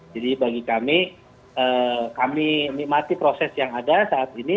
bagi kami kami proses yang ada saat ini